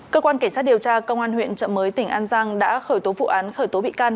cơ quan cảnh sát điều tra công an huyện trợ mới tỉnh an giang đã khởi tố vụ án khởi tố bị can